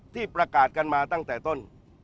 ที่ประกาศกันมาตั้งแต่ต้น